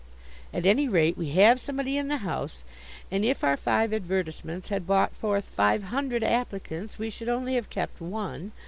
At any rate, we have somebody in the house, and if our five advertisements had brought forth five hundred applicants we should only have kept one.